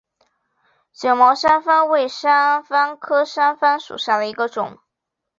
卷毛山矾为山矾科山矾属下的一个种。